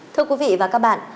thưa quý vị và các bạn